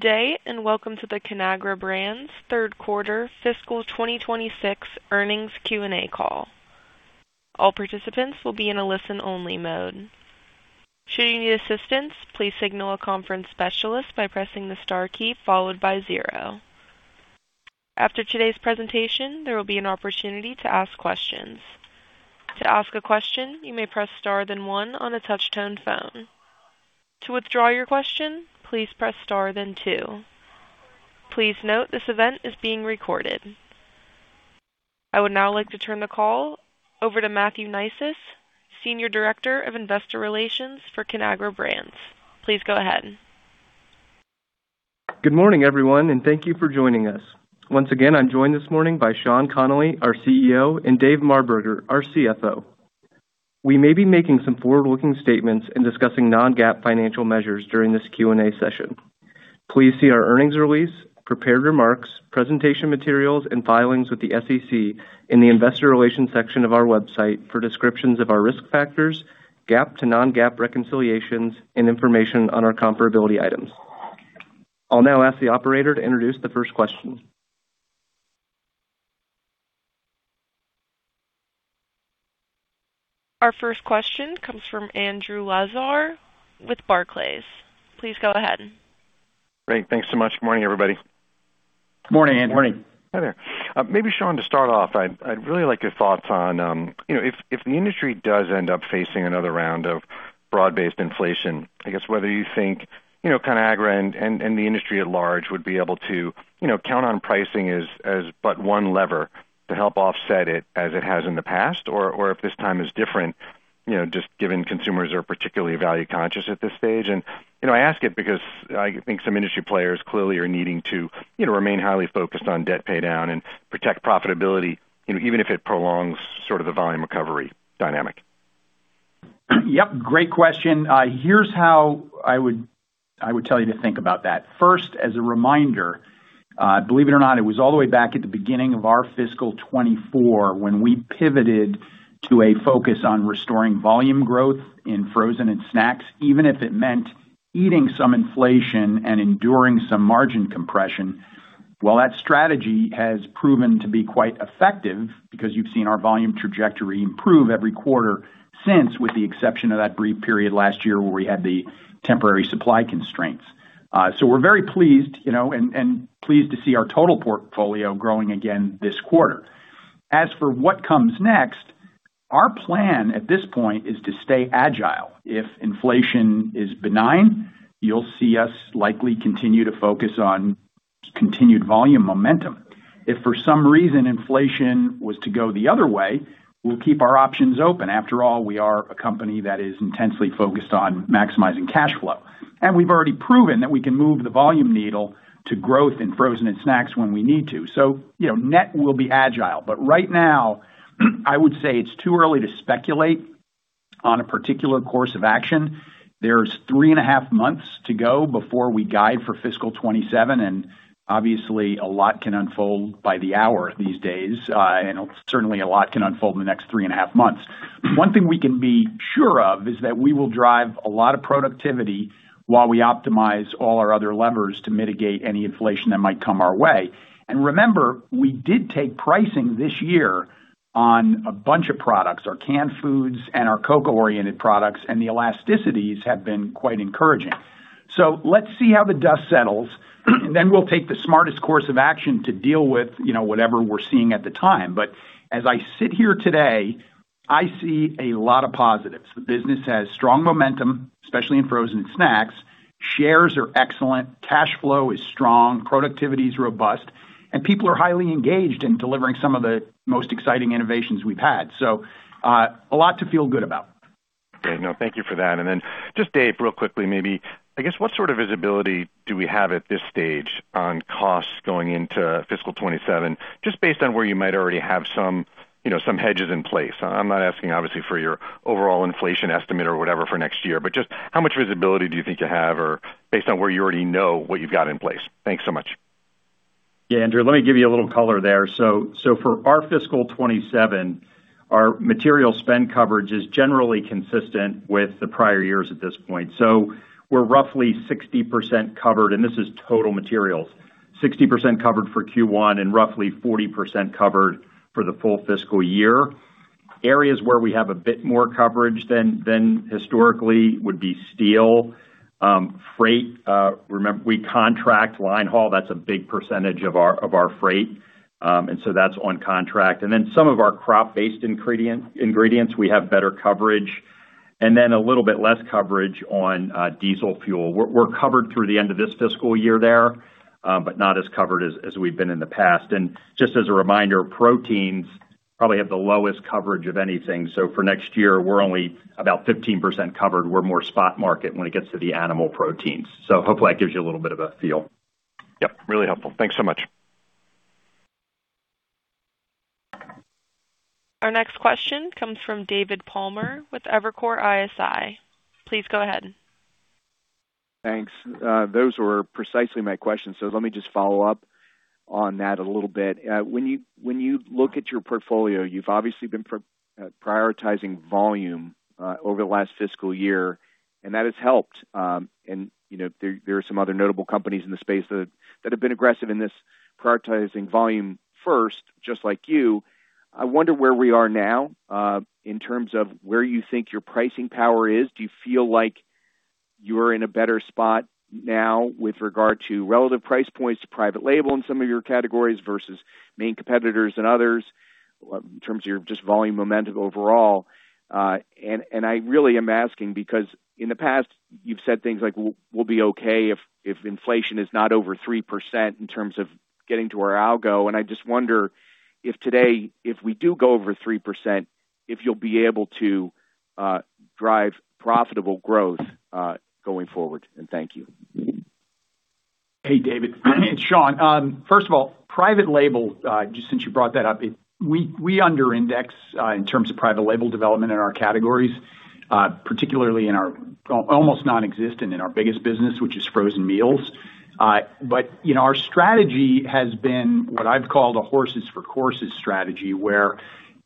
Good day, and welcome to the Conagra Brands third quarter fiscal 2026 earnings Q&A call. All participants will be in a listen-only mode. Should you need assistance, please signal a conference specialist by pressing the star key followed by zero. After today's presentation, there will be an opportunity to ask questions. To ask a question, you may press star then one on a touch-tone phone. To withdraw your question, please press star then two. Please note this event is being recorded. I would now like to turn the call over to Matthew Neisius, Senior Director of Investor Relations for Conagra Brands. Please go ahead. Good morning, everyone, and thank you for joining us. Once again, I'm joined this morning by Sean Connolly, our CEO, and Dave Marberger, our CFO. We may be making some forward-looking statements in discussing non-GAAP financial measures during this Q&A session. Please see our earnings release, prepared remarks, presentation materials, and filings with the SEC in the investor relations section of our website for descriptions of our risk factors, GAAP to non-GAAP reconciliations, and information on our comparability items. I'll now ask the operator to introduce the first question. Our first question comes from Andrew Lazar with Barclays. Please go ahead. Great. Thanks so much. Morning, everybody. Morning, Andrew. Morning. Hi there. Maybe Sean, to start off, I'd really like your thoughts on, you know, if the industry does end up facing another round of broad-based inflation, I guess whether you think, you know, Conagra and the industry at large would be able to, you know, count on pricing as but one lever to help offset it as it has in the past, or if this time is different, you know, just given consumers are particularly value conscious at this stage. You know, I ask it because I think some industry players clearly are needing to, you know, remain highly focused on debt pay down and protect profitability, you know, even if it prolongs sort of the volume recovery dynamic. Yep. Great question. Here's how I would tell you to think about that. First, as a reminder, believe it or not, it was all the way back at the beginning of our fiscal 2024 when we pivoted to a focus on restoring volume growth in frozen and snacks, even if it meant eating some inflation and enduring some margin compression. Well, that strategy has proven to be quite effective because you've seen our volume trajectory improve every quarter since, with the exception of that brief period last year where we had the temporary supply constraints. We're very pleased, you know, and pleased to see our total portfolio growing again this quarter. As for what comes next, our plan at this point is to stay agile. If inflation is benign, you'll see us likely continue to focus on continued volume momentum. If for some reason inflation was to go the other way, we'll keep our options open. After all, we are a company that is intensely focused on maximizing cash flow. We've already proven that we can move the volume needle to growth in frozen and snacks when we need to. You know, net will be agile, but right now, I would say it's too early to speculate on a particular course of action. There's three and a half months to go before we guide for fiscal 2027, and obviously, a lot can unfold by the hour these days. Certainly, a lot can unfold in the next three and a half months. One thing we can be sure of is that we will drive a lot of productivity while we optimize all our other levers to mitigate any inflation that might come our way. Remember, we did take pricing this year on a bunch of products, our canned foods and our cocoa-oriented products, and the elasticities have been quite encouraging. Let's see how the dust settles, and then we'll take the smartest course of action to deal with, you know, whatever we're seeing at the time. As I sit here today, I see a lot of positives. The business has strong momentum, especially in frozen snacks. Shares are excellent, cash flow is strong, productivity is robust, and people are highly engaged in delivering some of the most exciting innovations we've had. A lot to feel good about. Great. No, thank you for that. Just Dave, real quickly, maybe, I guess, what sort of visibility do we have at this stage on costs going into fiscal 2027, just based on where you might already have some, you know, some hedges in place? I'm not asking, obviously, for your overall inflation estimate or whatever for next year, but just how much visibility do you think you have or based on where you already know what you've got in place? Thanks so much. Yeah, Andrew, let me give you a little color there. For our fiscal 2027, our material spend coverage is generally consistent with the prior years at this point. We're roughly 60% covered, and this is total materials. 60% covered for Q1 and roughly 40% covered for the full fiscal year. Areas where we have a bit more coverage than historically would be steel, freight. Remember, we contract line haul, that's a big percentage of our freight. That's on contract. Some of our crop-based ingredients, we have better coverage. A little bit less coverage on diesel fuel. We're covered through the end of this fiscal year there, but not as covered as we've been in the past. Just as a reminder, proteins probably have the lowest coverage of anything. For next year, we're only about 15% covered. We're more spot market when it gets to the animal proteins. Hopefully that gives you a little bit of a feel. Yep, really helpful. Thanks so much. Our next question comes from David Palmer with Evercore ISI. Please go ahead. Thanks. Those were precisely my questions, so let me just follow up on that a little bit. When you look at your portfolio, you've obviously been prioritizing volume over the last fiscal year, and that has helped. You know, there are some other notable companies in the space that have been aggressive in this prioritizing volume first, just like you. I wonder where we are now in terms of where you think your pricing power is. Do you feel like you're in a better spot now with regard to relative price points to private label in some of your categories versus main competitors and others in terms of your just volume momentum overall? I really am asking because in the past, you've said things like we'll be okay if inflation is not over 3% in terms of getting to where I'll go. I just wonder if today, if we do go over 3%, if you'll be able to drive profitable growth going forward. Thank you. Hey, David, it's Sean. First of all, private label, just since you brought that up. We under index in terms of private label development in our categories, particularly in our almost non-existent in our biggest business, which is frozen meals. You know, our strategy has been what I've called a horses for courses strategy, where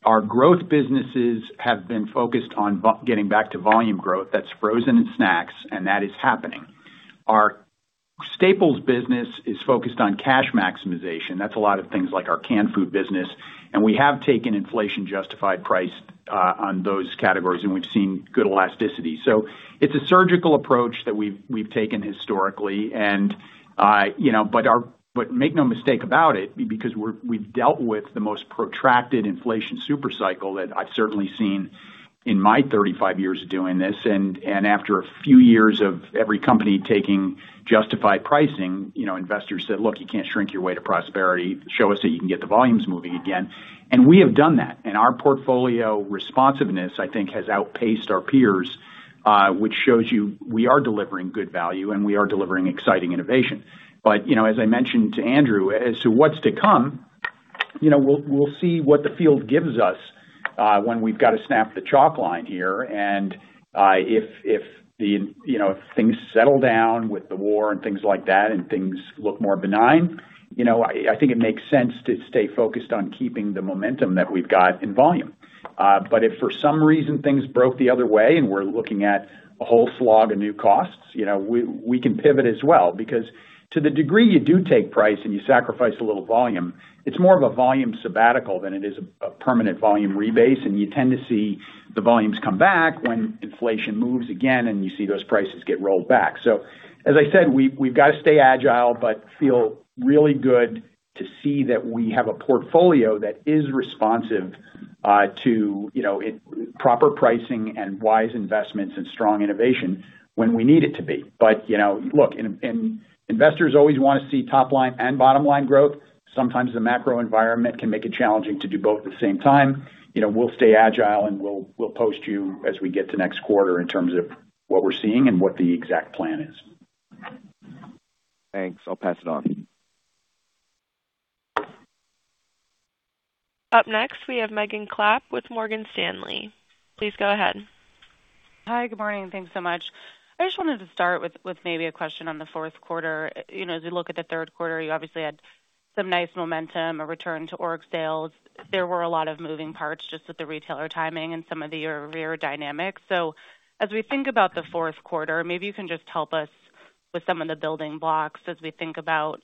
our growth businesses have been focused on getting back to volume growth that's frozen in snacks, and that is happening. Our staples business is focused on cash maximization. That's a lot of things like our canned food business, and we have taken inflation justified price on those categories, and we've seen good elasticity. It's a surgical approach that we've taken historically. You know, but make no mistake about it, because we've dealt with the most protracted inflation super cycle that I've certainly seen in my 35 years of doing this. After a few years of every company taking justified pricing, you know, investors said, "Look, you can't shrink your way to prosperity. Show us that you can get the volumes moving again." We have done that. Our portfolio responsiveness, I think, has outpaced our peers, which shows you we are delivering good value and we are delivering exciting innovation. You know, as I mentioned to Andrew, as to what's to come, you know, we'll see what the field gives us when we've got to snap the chalk line here. If the, you know, if things settle down with the war and things like that and things look more benign, you know, I think it makes sense to stay focused on keeping the momentum that we've got in volume. If for some reason things broke the other way and we're looking at a whole slog of new costs, you know, we can pivot as well, because to the degree you do take price and you sacrifice a little volume, it's more of a volume sabbatical than it is a permanent volume rebase, and you tend to see the volumes come back when inflation moves again and you see those prices get rolled back. As I said, we've got to stay agile but feel really good to see that we have a portfolio that is responsive to you know proper pricing and wise investments and strong innovation when we need it to be. You know, look, investors always wanna see top line and bottom line growth. Sometimes the macro environment can make it challenging to do both at the same time. You know, we'll stay agile and we'll keep you posted as we get to next quarter in terms of what we're seeing and what the exact plan is. Thanks. I'll pass it on. Up next, we have Megan Clapp with Morgan Stanley. Please go ahead. Hi. Good morning. Thanks so much. I just wanted to start with maybe a question on the fourth quarter. You know, as you look at the third quarter, you obviously had some nice momentum, a return to org sales. There were a lot of moving parts just with the retailer timing and some of your share dynamics. As we think about the fourth quarter, maybe you can just help us with some of the building blocks as we think about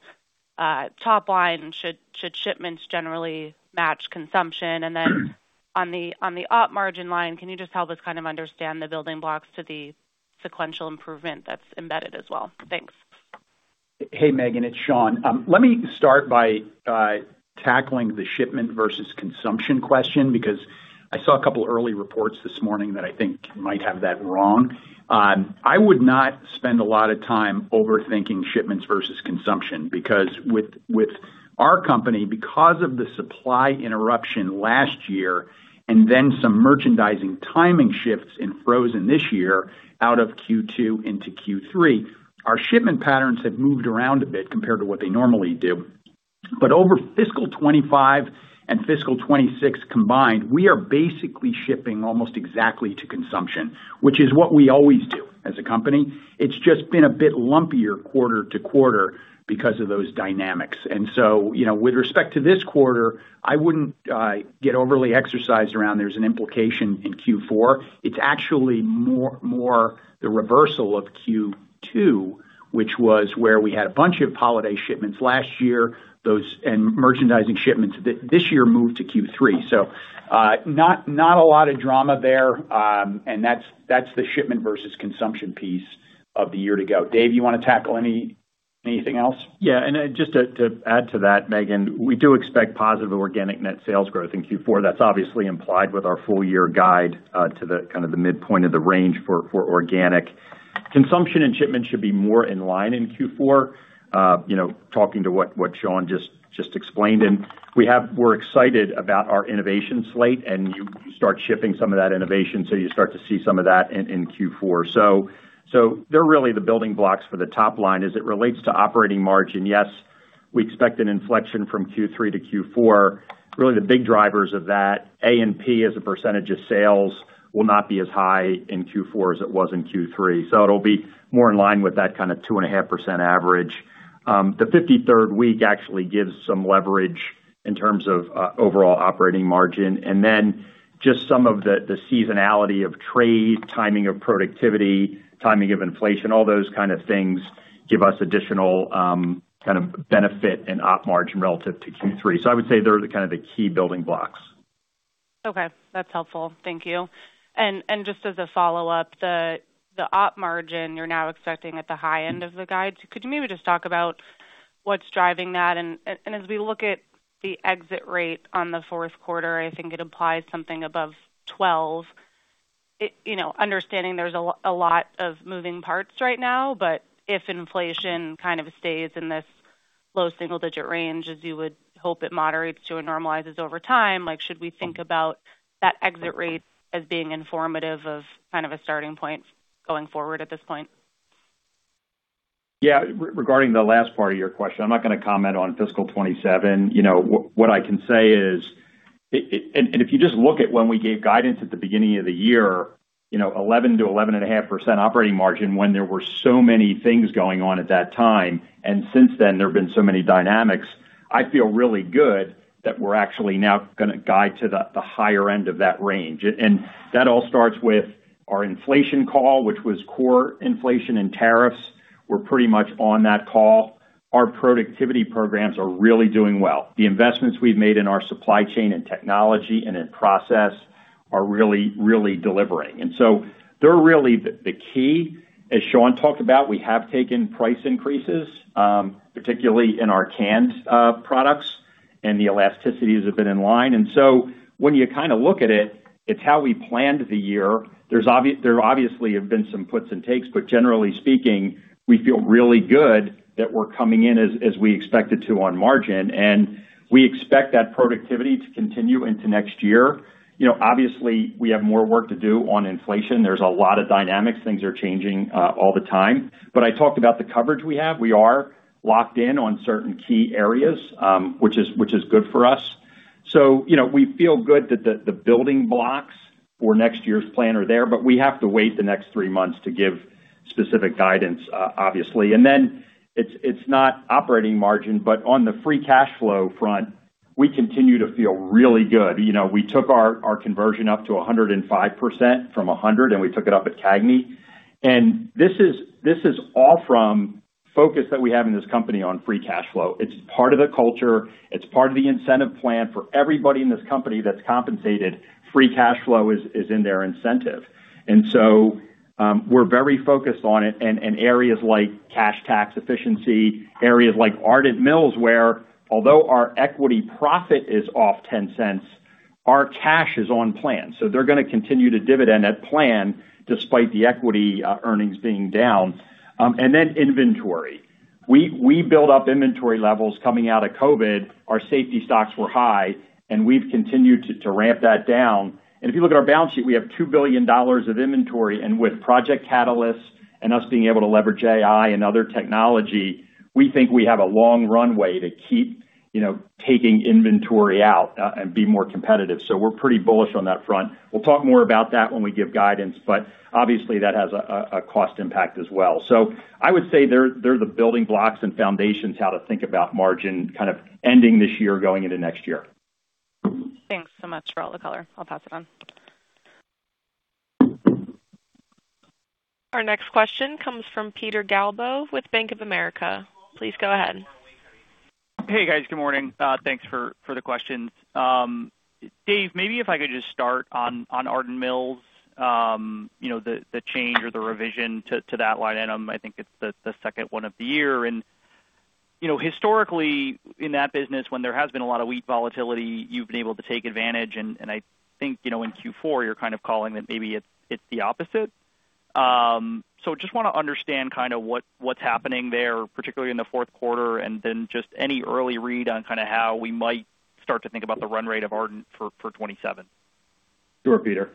top line. Should shipments generally match consumption? And then on the op margin line, can you just help us kind of understand the building blocks to the sequential improvement that's embedded as well? Thanks. Hey, Megan, it's Sean. Let me start by tackling the shipment versus consumption question because I saw a couple early reports this morning that I think might have that wrong. I would not spend a lot of time overthinking shipments versus consumption because with our company, because of the supply interruption last year and then some merchandising timing shifts in frozen this year out of Q2 into Q3, our shipment patterns have moved around a bit compared to what they normally do. Over fiscal 2025 and fiscal 2026 combined, we are basically shipping almost exactly to consumption, which is what we always do as a company. It's just been a bit lumpier quarter to quarter because of those dynamics. You know, with respect to this quarter, I wouldn't get overly exercised around there's an implication in Q4. It's actually more the reversal of Q2, which was where we had a bunch of holiday shipments last year. Those merchandising shipments this year moved to Q3. Not a lot of drama there. That's the shipment versus consumption piece of the year to go. Dave, you wanna tackle anything else? Yeah. Just to add to that, Megan, we do expect positive organic net sales growth in Q4. That's obviously implied with our full year guide to the midpoint of the range for organic. Consumption and shipment should be more in line in Q4, you know, talking to what Sean just explained. We're excited about our innovation slate and you start shipping some of that innovation, so you start to see some of that in Q4. So they're really the building blocks for the top line. As it relates to operating margin, yes. We expect an inflection from Q3 to Q4. Really the big drivers of that, A&P as a percentage of sales will not be as high in Q4 as it was in Q3. It'll be more in line with that kind of 2.5% average. The 53rd week actually gives some leverage in terms of overall operating margin. Then just some of the seasonality of trade, timing of productivity, timing of inflation, all those kind of things give us additional kind of benefit in op margin relative to Q3. I would say they're the kind of key building blocks. Okay, that's helpful. Thank you. Just as a follow-up, the op margin you're now expecting at the high end of the guide, could you maybe just talk about what's driving that? As we look at the exit rate on the fourth quarter, I think it implies something above 12%. You know, understanding there's a lot of moving parts right now, but if inflation kind of stays in this low single-digit range as you would hope it moderates to and normalizes over time, like, should we think about that exit rate as being informative of kind of a starting point going forward at this point? Yeah. Regarding the last part of your question, I'm not gonna comment on fiscal 2027. You know, what I can say is, it, and if you just look at when we gave guidance at the beginning of the year, you know, 11%-11.5% operating margin when there were so many things going on at that time, and since then there have been so many dynamics, I feel really good that we're actually now gonna guide to the higher end of that range. That all starts with our inflation call, which was core inflation and tariffs. We're pretty much on that call. Our productivity programs are really doing well. The investments we've made in our supply chain and technology and in process are really, really delivering. So they're really the key. As Sean talked about, we have taken price increases, particularly in our canned products, and the elasticities have been in line. When you kinda look at it's how we planned the year. There obviously have been some puts and takes, but generally speaking, we feel really good that we're coming in as we expected to on margin, and we expect that productivity to continue into next year. You know, obviously, we have more work to do on inflation. There's a lot of dynamics. Things are changing all the time. I talked about the coverage we have. We are locked in on certain key areas, which is good for us. You know, we feel good that the building blocks for next year's plan are there, but we have to wait the next three months to give specific guidance, obviously. It's not operating margin, but on the free cash flow front, we continue to feel really good. You know, we took our conversion up to 105% from 100%, and we took it up at CAGNY. This is all from focus that we have in this company on free cash flow. It's part of the culture. It's part of the incentive plan for everybody in this company that's compensated, free cash flow is in their incentive. We're very focused on it in areas like cash tax efficiency, areas like Ardent Mills, where although our equity profit is off $0.10, our cash is on plan. They're gonna continue to dividend at plan despite the equity earnings being down. Then inventory. We built up inventory levels coming out of COVID. Our safety stocks were high, and we've continued to ramp that down. If you look at our balance sheet, we have $2 billion of inventory. With Project Catalyst and us being able to leverage AI and other technology, we think we have a long runway to keep, you know, taking inventory out and be more competitive. We're pretty bullish on that front. We'll talk more about that when we give guidance, but obviously that has a cost impact as well. I would say they're the building blocks and foundations how to think about margin kind of ending this year going into next year. Thanks so much for all the color. I'll pass it on. Our next question comes from Peter Galbo with Bank of America. Please go ahead. Hey, guys. Good morning. Thanks for the questions. Dave, maybe if I could just start on Ardent Mills. You know, the change or the revision to that line item, I think it's the second one of the year. You know, historically in that business, when there has been a lot of wheat volatility, you've been able to take advantage and I think, you know, in Q4, you're kind of calling that maybe it's the opposite. Just wanna understand kind of what's happening there, particularly in the fourth quarter, and then just any early read on kinda how we might start to think about the run rate of Ardent for 2027. Sure, Peter.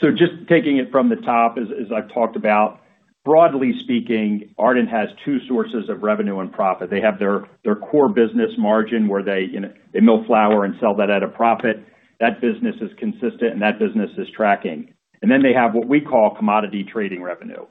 Just taking it from the top, as I've talked about, broadly speaking, Ardent has two sources of revenue and profit. They have their core business margin, where they, you know, they mill flour and sell that at a profit. That business is consistent, and that business is tracking. Then they have what we call commodity trading revenue.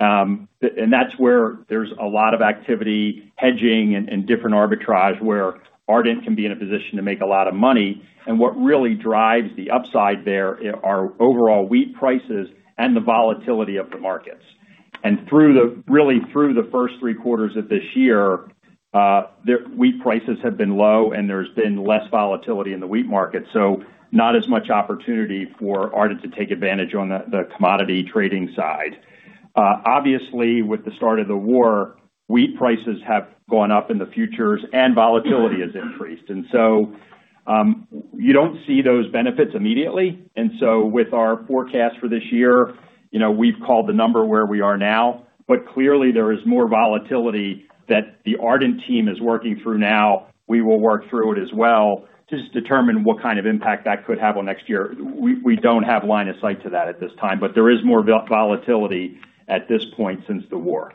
That's where there's a lot of activity hedging and different arbitrage where Ardent can be in a position to make a lot of money. What really drives the upside there are overall wheat prices and the volatility of the markets. Through the first three quarters of this year, their wheat prices have been low and there's been less volatility in the wheat market, so not as much opportunity for Ardent to take advantage on the commodity trading side. Obviously, with the start of the war, wheat prices have gone up in the futures and volatility has increased. You don't see those benefits immediately. With our forecast for this year, you know, we've called the number where we are now. Clearly there is more volatility that the Ardent team is working through now. We will work through it as well to determine what kind of impact that could have on next year. We don't have line of sight to that at this time, but there is more volatility at this point since the war.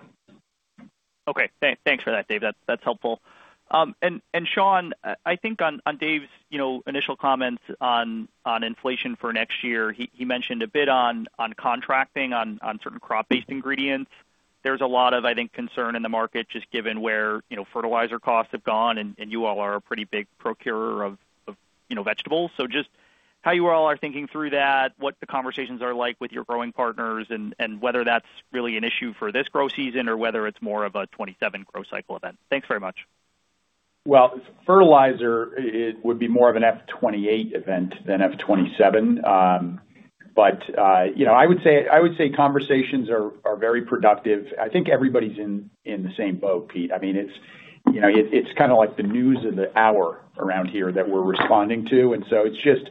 Okay. Thanks for that, Dave. That's helpful. And Sean, I think on Dave's initial comments on inflation for next year, he mentioned a bit on contracting on certain crop-based ingredients. There's a lot of concern in the market just given where fertilizer costs have gone and you all are a pretty big procurer of vegetables. So just how you all are thinking through that, what the conversations are like with your growing partners and whether that's really an issue for this grow season or whether it's more of a 2027 grow cycle event. Thanks very much. Well, fertilizer it would be more of an FY 2028 event than FY 2027. But you know, I would say conversations are very productive. I think everybody's in the same boat, Pete. I mean, it's you know, it's kinda like the news of the hour around here that we're responding to, and so it's just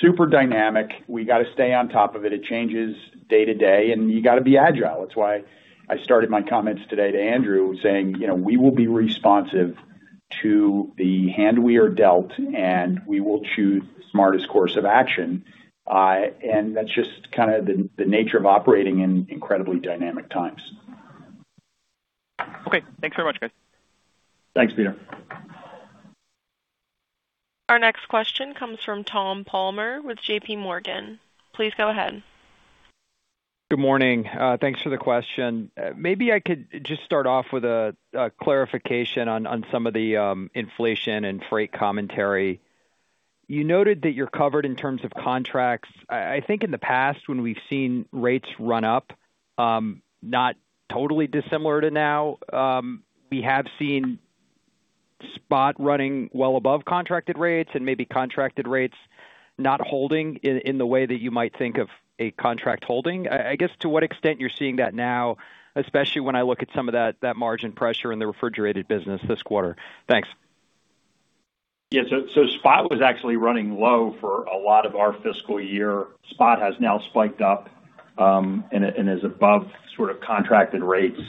super dynamic. We gotta stay on top of it. It changes day to day, and you gotta be agile. That's why I started my comments today to Andrew saying, you know, we will be responsive to the hand we are dealt, and we will choose the smartest course of action. That's just kind of the nature of operating in incredibly dynamic times. Okay. Thanks very much, guys. Thanks, Peter. Our next question comes from Tom Palmer with J.P. Morgan. Please go ahead. Good morning. Thanks for the question. Maybe I could just start off with a clarification on some of the inflation and freight commentary. You noted that you're covered in terms of contracts. I think in the past when we've seen rates run up, not totally dissimilar to now, we have seen spot running well above contracted rates and maybe contracted rates not holding in the way that you might think of a contract holding. I guess to what extent you're seeing that now, especially when I look at some of that margin pressure in the refrigerated business this quarter. Thanks. Yeah. Spot was actually running low for a lot of our fiscal year. Spot has now spiked up and is above sort of contracted rates.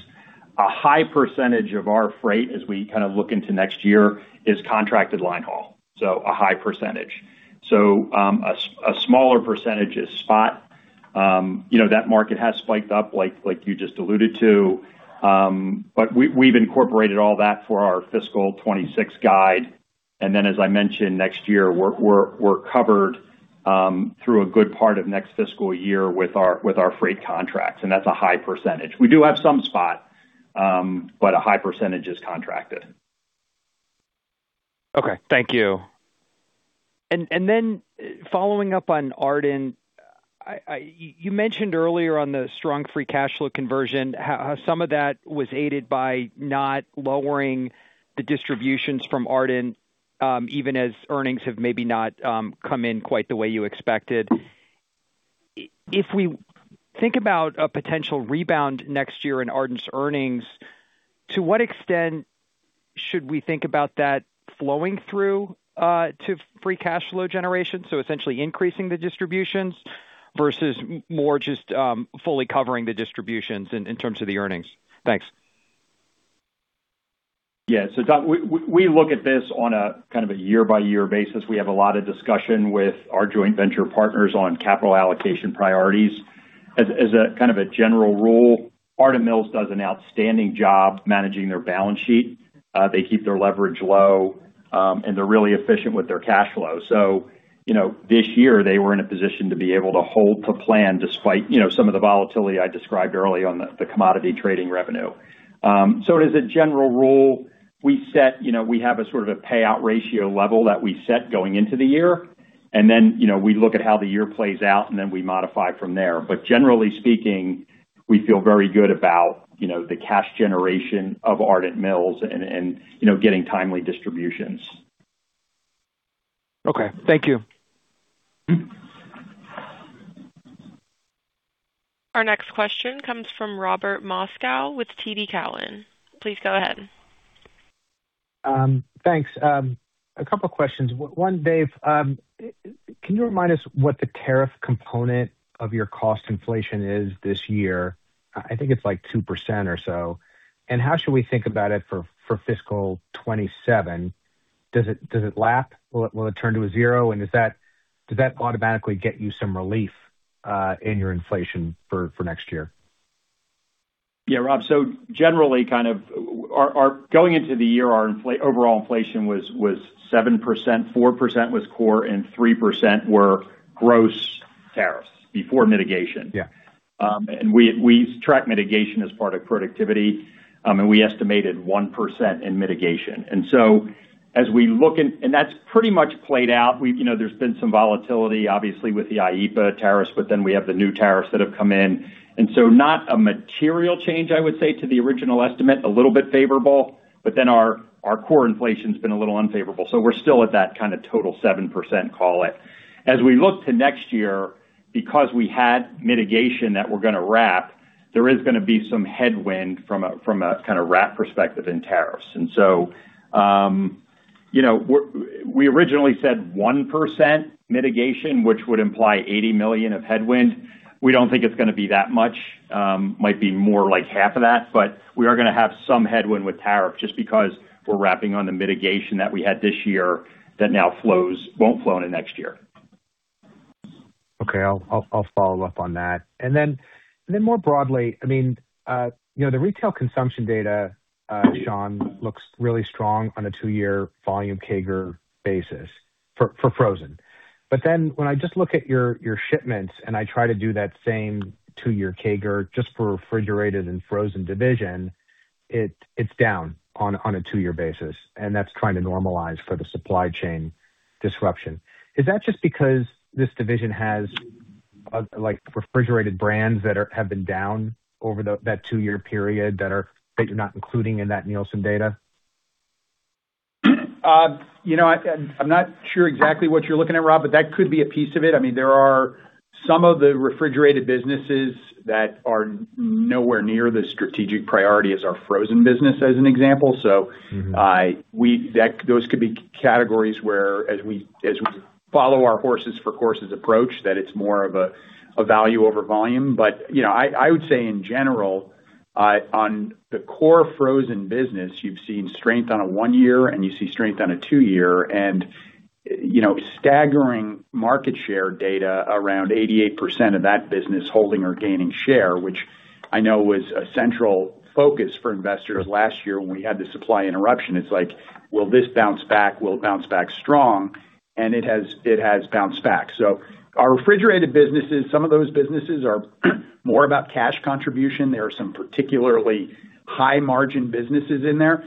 A high percentage of our freight as we kind of look into next year is contracted line haul, so a high percentage. A smaller percentage is spot. You know, that market has spiked up like you just alluded to. But we have incorporated all that for our fiscal 2026 guide. As I mentioned next year, we're covered through a good part of next fiscal year with our freight contracts, and that's a high percentage. We do have some spot, but a high percentage is contracted. Okay. Thank you. Then following up on Ardent, you mentioned earlier the strong free cash flow conversion, how some of that was aided by not lowering the distributions from Ardent, even as earnings have maybe not come in quite the way you expected. If we think about a potential rebound next year in Ardent's earnings, to what extent should we think about that flowing through to free cash flow generation, so essentially increasing the distributions versus more just fully covering the distributions in terms of the earnings? Thanks. Yeah. Tom, we look at this on a kind of a year-by-year basis. We have a lot of discussion with our joint venture partners on capital allocation priorities. As a kind of a general rule, Ardent Mills does an outstanding job managing their balance sheet. They keep their leverage low, and they're really efficient with their cash flow. You know, this year, they were in a position to be able to hold to plan despite, you know, some of the volatility I described early on the commodity trading revenue. As a general rule, we set, you know, we have a sort of a payout ratio level that we set going into the year, and then, you know, we look at how the year plays out, and then we modify from there. Generally speaking, we feel very good about, you know, the cash generation of Ardent Mills and, you know, getting timely distributions. Okay. Thank you. Our next question comes from Robert Moskow with TD Cowen. Please go ahead. Thanks. A couple questions. One, Dave, can you remind us what the tariff component of your cost inflation is this year? I think it's like 2% or so. How should we think about it for fiscal 2027? Does it lap? Will it turn to zero? Does that automatically get you some relief in your inflation for next year? Yeah, Rob. Generally kind of our going into the year, our overall inflation was 7%, 4% was core, and 3% were gross tariffs before mitigation. Yeah. We track mitigation as part of productivity, and we estimated 1% in mitigation. As we look in and that's pretty much played out. We have, you know, there's been some volatility obviously with the IEEPA tariffs, but then we have the new tariffs that have come in. Not a material change, I would say to the original estimate, a little bit favorable, but then our core inflation's been a little unfavorable. We're still at that kind of total 7%, call it. As we look to next year, because we had mitigation that we're gonna wrap, there is gonna be some headwind from a kind of wrap perspective in tariffs. You know, we originally said 1% mitigation, which would imply $80 million of headwind. We don't think it's gonna be that much. Might be more like half of that, but we are gonna have some headwind with tariff just because we're wrapping up the mitigation that we had this year that now won't flow into next year. Okay. I'll follow up on that. More broadly, the retail consumption data, Sean, looks really strong on a two-year volume CAGR basis for frozen. When I just look at your shipments and I try to do that same two-year CAGR just for Refrigerated and Frozen division, it's down on a two-year basis, and that's trying to normalize for the supply chain disruption. Is that just because this division has refrigerated brands that have been down over that two-year period that you're not including in that Nielsen data? You know, I'm not sure exactly what you're looking at, Rob, but that could be a piece of it. I mean, there are some of the refrigerated businesses that are nowhere near the strategic priority as our frozen business as an example. Mm-hmm. Those could be categories where, as we follow our horses for courses approach, it's more of a value over volume. You know, I would say in general, on the core Frozen business, you've seen strength on a one-year and you see strength on a two-year. You know, staggering market share data around 88% of that business holding or gaining share, which I know was a central focus for investors last year when we had the supply interruption. It's like, will this bounce back? Will it bounce back strong? It has bounced back. Our Refrigerated businesses, some of those businesses are more about cash contribution. There are some particularly high margin businesses in there.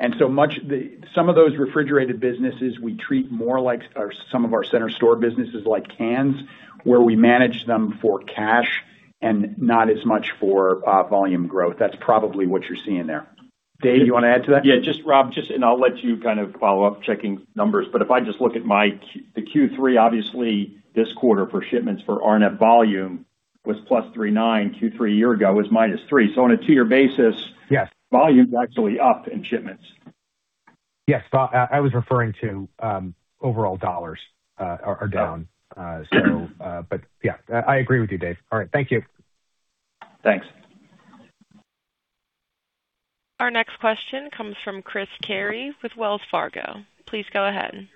Some of those refrigerated businesses we treat more like some of our center store businesses like cans, where we manage them for cash and not as much for volume growth. That's probably what you're seeing there. Dave, you wanna add to that? Yeah, just Rob, and I'll let you kind of follow up checking numbers, but if I just look at the Q3, obviously this quarter for shipments for RNF volume was +3.9%, Q3 a year ago was -3%. On a two-year basis- Yes. Volume is actually up in shipments. Yes. I was referring to overall dollars are down. Yeah, I agree with you, Dave. All right. Thank you. Thanks. Our next question comes from Chris Carey with Wells Fargo. Please go ahead.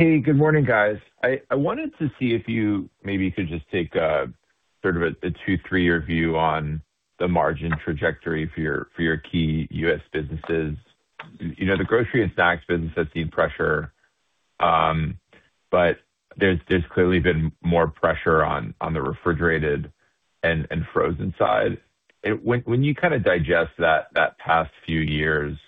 Hey, good morning, guys. I wanted to see if you maybe could just take a sort of a two- to three-year view on the margin trajectory for your key U.S. businesses. You know, the grocery and snacks business has seen pressure, but there's clearly been more pressure on the Refrigerated and Frozen side. When you kinda digest that past few years,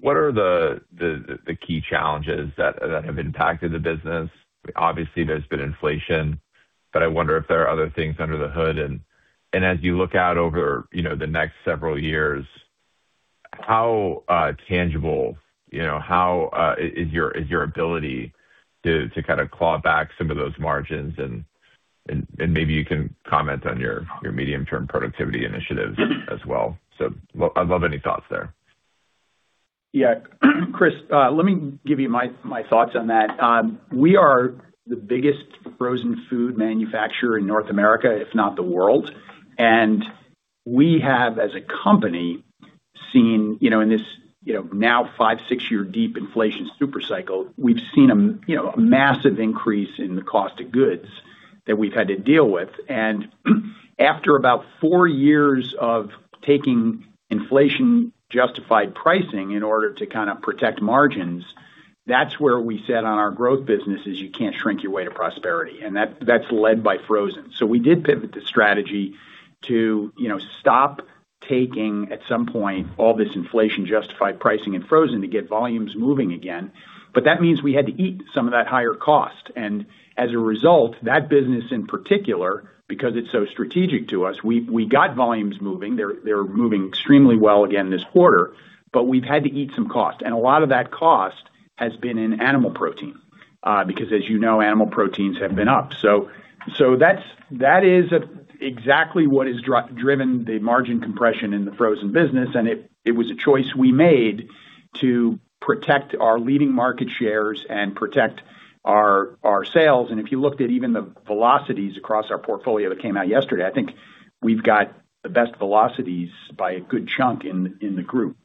what are the key challenges that have impacted the business? Obviously, there's been inflation, but I wonder if there are other things under the hood. Maybe you can comment on your medium-term productivity initiatives as well. I'd love any thoughts there. Yeah. Chris, let me give you my thoughts on that. We are the biggest frozen food manufacturer in North America, if not the world. We have, as a company, seen, you know, in this, you know, now five- or six-year deep inflation super cycle, we've seen a, you know, a massive increase in the cost of goods that we've had to deal with. After about four years of taking inflation-justified pricing in order to kinda protect margins, that's where we said on our growth business is you can't shrink your way to prosperity, and that's led by frozen. We did pivot the strategy to, you know, stop taking, at some point, all this inflation-justified pricing in frozen to get volumes moving again. That means we had to eat some of that higher cost. As a result, that business in particular, because it's so strategic to us, we got volumes moving. They're moving extremely well again this quarter, but we've had to eat some cost. A lot of that cost has been in animal protein, because as you know, animal proteins have been up. That is exactly what has driven the margin compression in the frozen business. It was a choice we made to protect our leading market shares and protect our sales. If you looked at even the velocities across our portfolio that came out yesterday, I think we've got the best velocities by a good chunk in the group.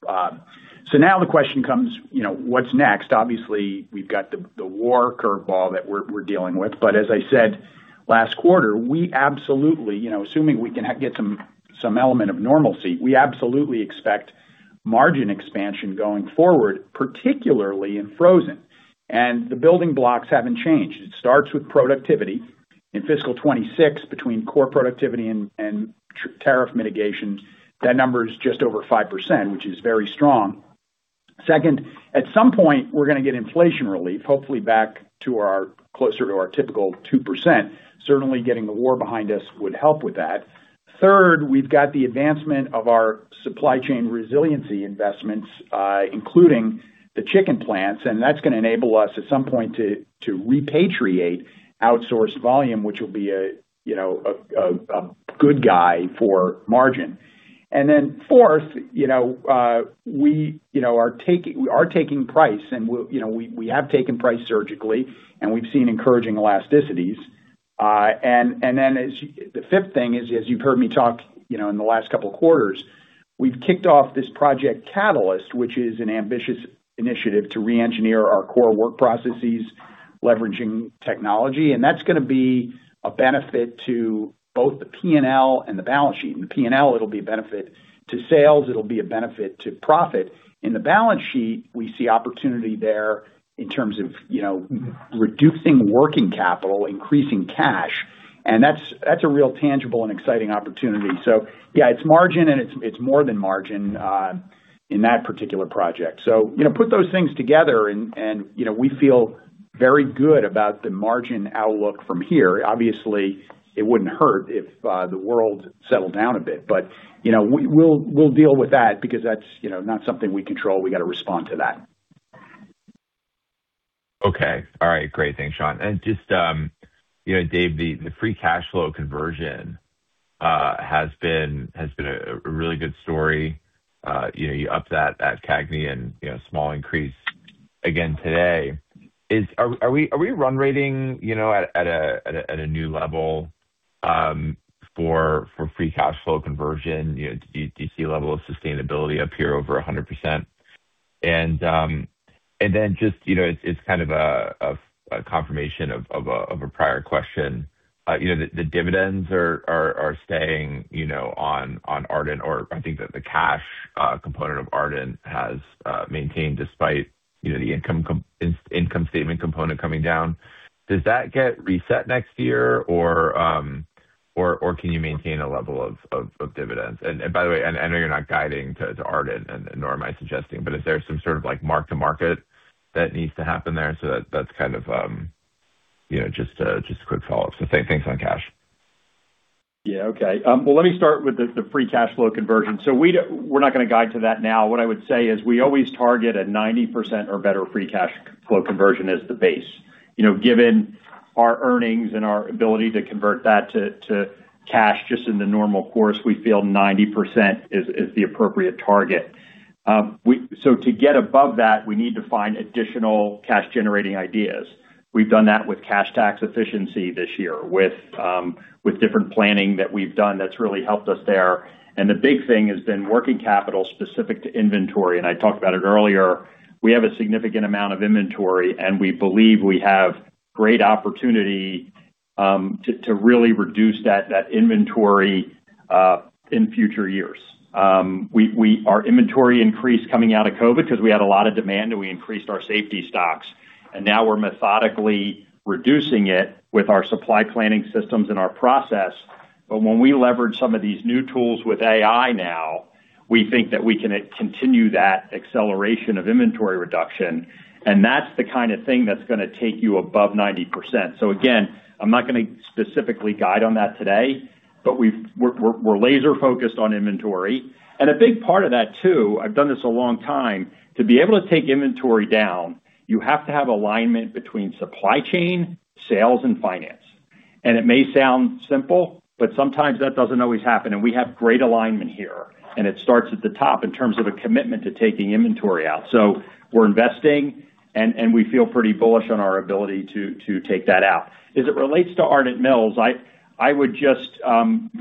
Now the question comes, you know, what's next? Obviously, we've got the wild curveball that we're dealing with. As I said last quarter, we absolutely, you know, assuming we can get some element of normalcy, we absolutely expect margin expansion going forward, particularly in frozen. The building blocks haven't changed. It starts with productivity. In fiscal 2026, between core productivity and tariff mitigation, that number is just over 5%, which is very strong. Second, at some point, we're gonna get inflation relief, hopefully back to closer to our typical 2%. Certainly, getting the war behind us would help with that. Third, we've got the advancement of our supply chain resiliency investments, including the chicken plants, and that's gonna enable us at some point to repatriate outsourced volume, which will be a, you know, a good thing for margin. Fourth, you know, we are taking price and we have taken price surgically and we've seen encouraging elasticities. The fifth thing is, as you've heard me talk, you know, in the last couple of quarters, we've kicked off this Project Catalyst, which is an ambitious initiative to reengineer our core work processes leveraging technology. That's gonna be a benefit to both the P&L and the balance sheet. In the P&L, it'll be a benefit to sales, it'll be a benefit to profit. In the balance sheet, we see opportunity there in terms of, you know, reducing working capital, increasing cash, and that's a real tangible and exciting opportunity. Yeah, it's margin, and it's more than margin in that particular project. You know, put those things together and, you know, we feel very good about the margin outlook from here. Obviously, it wouldn't hurt if the world settled down a bit. You know, we'll deal with that because that's, you know, not something we control. We gotta respond to that. Okay. All right. Great. Thanks, Sean. Just, you know, Dave, the free cash flow conversion has been a really good story. You upped that at CAGNY and a small increase again today. Are we run rating at a new level for free cash flow conversion? You know, do you see a level of sustainability up here over 100%? Then just, you know, it's kind of a confirmation of a prior question. You know, the dividends are staying on Ardent, or I think that the cash component of Ardent has maintained despite the income statement component coming down. Does that get reset next year or can you maintain a level of dividends? By the way, I know you're not guiding to Ardent, and nor am I suggesting, but is there some sort of like mark-to-market that needs to happen there? That's kind of, you know, just a quick follow-up. Same things on cash. Yeah. Okay. Well, let me start with the free cash flow conversion. We're not gonna guide to that now. What I would say is we always target a 90% or better free cash flow conversion as the base. You know, given our earnings and our ability to convert that to cash just in the normal course, we feel 90% is the appropriate target. To get above that, we need to find additional cash-generating ideas. We've done that with cash tax efficiency this year, with different planning that we've done that's really helped us there. The big thing has been working capital specific to inventory, and I talked about it earlier. We have a significant amount of inventory, and we believe we have great opportunity to really reduce that inventory in future years. Our inventory increased coming out of COVID 'cause we had a lot of demand and we increased our safety stocks, and now we're methodically reducing it with our supply planning systems and our process. When we leverage some of these new tools with AI now, we think that we can continue that acceleration of inventory reduction, and that's the kinda thing that's gonna take you above 90%. Again, I'm not gonna specifically guide on that today, but we're laser-focused on inventory. A big part of that too, I've done this a long time, to be able to take inventory down, you have to have alignment between supply chain, sales, and finance. It may sound simple, but sometimes that doesn't always happen. We have great alignment here, and it starts at the top in terms of a commitment to taking inventory out. We're investing and we feel pretty bullish on our ability to take that out. As it relates to Ardent Mills, I would just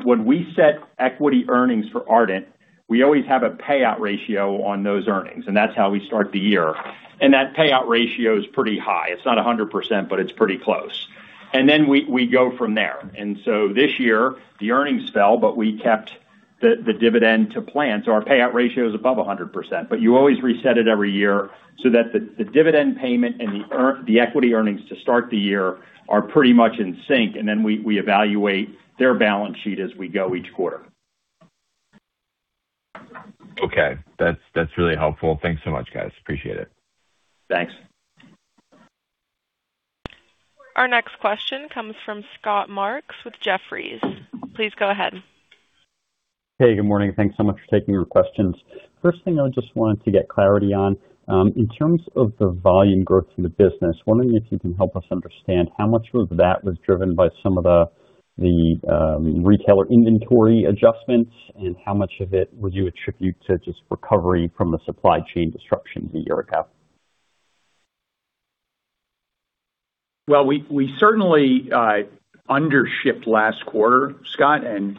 when we set equity earnings for Ardent, we always have a payout ratio on those earnings, and that's how we start the year. That payout ratio is pretty high. It's not 100%, but it's pretty close. Then we go from there. This year the earnings fell, but we kept the dividend to plan, so our payout ratio is above 100%. You always reset it every year so that the dividend payment and the equity earnings to start the year are pretty much in sync, and then we evaluate their balance sheet as we go each quarter. Okay. That's really helpful. Thanks so much, guys. Appreciate it. Thanks. Our next question comes from Scott Marks with Jefferies. Please go ahead. Hey, good morning. Thanks so much for taking the questions. First thing I just wanted to get clarity on, in terms of the volume growth in the business, wondering if you can help us understand how much of that was driven by some of the retailer inventory adjustments and how much of it would you attribute to just recovery from the supply chain disruptions a year ago? Well, we certainly undershipped last quarter, Scott, and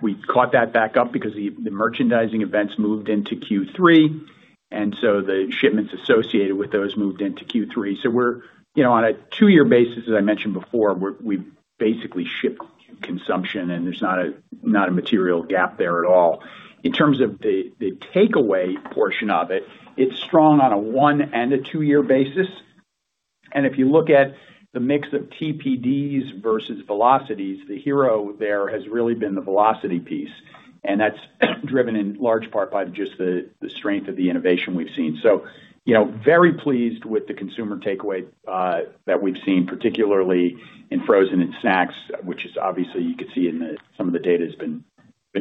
we've caught that back up because the merchandising events moved into Q3, and so the shipments associated with those moved into Q3. We're on a two-year basis, as I mentioned before, we've basically shipped consumption and there's not a material gap there at all. In terms of the takeaway portion of it's strong on a one- and two-year basis. If you look at the mix of TPDs versus velocities, the hero there has really been the velocity piece, and that's driven in large part by just the strength of the innovation we've seen. You know, very pleased with the consumer takeaway that we've seen, particularly in frozen and snacks, which is obviously, you could see in some of the data, has been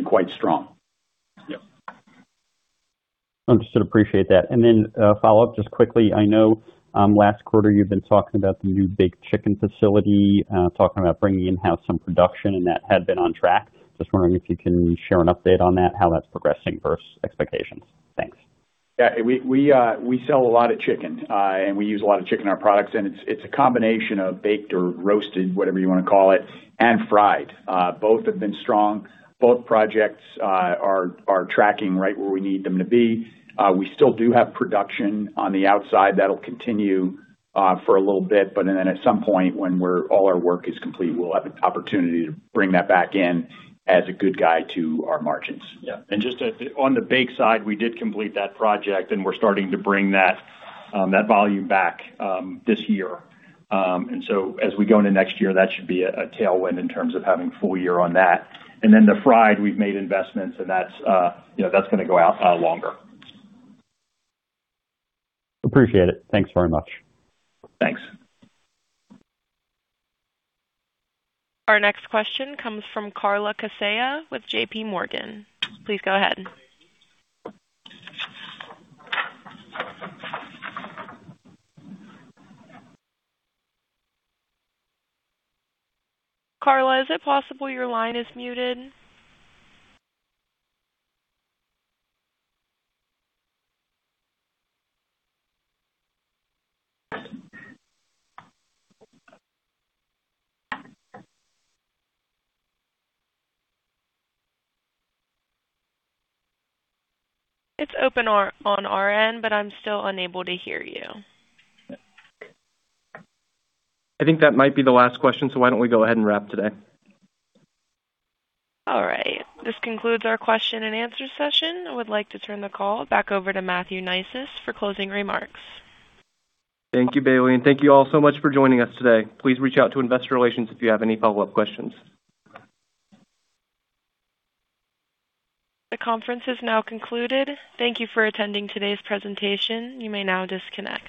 quite strong. Yeah. Understood. Appreciate that. A follow-up just quickly. I know last quarter you've been talking about the new big chicken facility, talking about bringing in-house some production and that had been on track. Just wondering if you can share an update on that, how that's progressing versus expectations. Thanks. Yeah, we sell a lot of chicken, and we use a lot of chicken in our products, and it's a combination of baked or roasted, whatever you wanna call it, and fried. Both have been strong. Both projects are tracking right where we need them to be. We still do have production on the outside. That'll continue for a little bit, but then at some point when all our work is complete, we'll have an opportunity to bring that back in as a good guy to our margins. Yeah. Just on the bake side, we did complete that project and we're starting to bring that volume back this year. As we go into next year, that should be a tailwind in terms of having full year on that. Then the fried, we've made investments and that's, you know, that's gonna go out longer. Appreciate it. Thanks very much. Thanks. Our next question comes from Carla Casella with J.P. Morgan. Please go ahead. Carla, is it possible your line is muted? It's open on our end, but I'm still unable to hear you. I think that might be the last question, so why don't we go ahead and wrap up today? All right. This concludes our question and answer session. I would like to turn the call back over to Matthew Neisius for closing remarks. Thank you, Bailey, and thank you all so much for joining us today. Please reach out to Investor Relations if you have any follow-up questions. The conference is now concluded. Thank you for attending today's presentation. You may now disconnect.